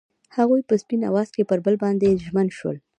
هغوی په سپین اواز کې پر بل باندې ژمن شول.